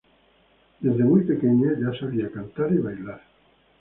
Desde muy pequeña ya sabía cantar y bailar.